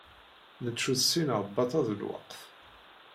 Nec ul ssineɣ batta d lweqt.